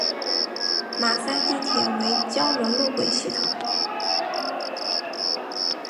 马赛地铁为胶轮路轨系统。